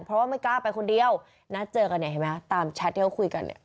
เพราะว่าไม่กล้าไปคนเดียวนัดเจอกันเนี่ยเห็นไหมตามแชทที่เขาคุยกันเนี่ย